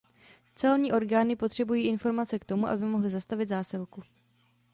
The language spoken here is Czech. Celní orgány potřebují informace k tomu, aby mohly zastavit zásilku.